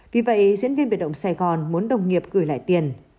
vì vậy diễn viên biệt động sài gòn muốn đồng nghiệp gửi lại tiền